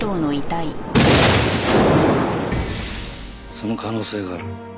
その可能性がある。